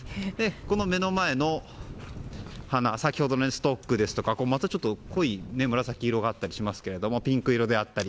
この目の前の花先ほどのストックですとか濃い紫色があったりしますけどピンク色であったり。